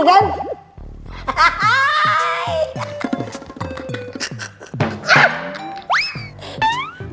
nggak ngerti kan